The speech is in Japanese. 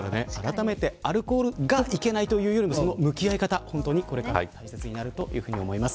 あらためて、アルコールがいけないというよりもその向き合い方が本当に大切になると思います。